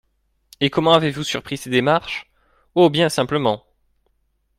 Et comment avez-vous surpris ces démarches ? Oh ! bien simplement.